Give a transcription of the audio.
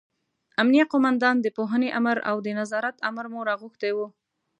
امینه قوماندان، د پوهنې امر او د نظارت امر مو راغوښتي وو.